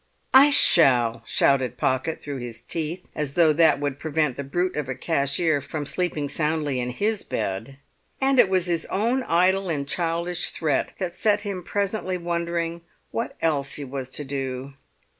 "I shall!" shouted Pocket through his teeth, as though that would prevent the brute of a cashier from sleeping soundly in his bed. And it was his own idle and childish threat that set him presently wondering what else he was to do.